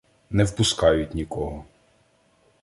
Не впускають нікого.